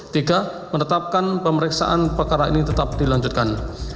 tiga menetapkan pemeriksaan perkara ini tetap dilanjutkan